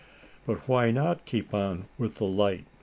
"But why not keep on with the light?"